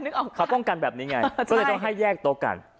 ถ้าเกิดที่ลองกันแบบนี้ไงก็เลยต้องให้แยกโต๊ะกัน